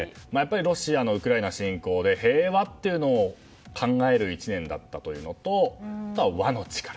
ロシアのウクライナ侵攻で平和っていうのを考える１年だったというのとあとは、和の力。